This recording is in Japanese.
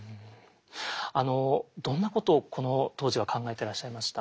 あのどんなことをこの当時は考えていらっしゃいました？